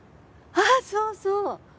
ああそうそう！